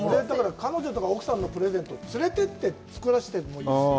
彼女とか奥さんのプレゼント、連れていって、作らせてもいいですね。